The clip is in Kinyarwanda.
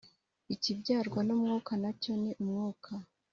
ikibyarwa n'Umwuka nacyo ni Umwuka.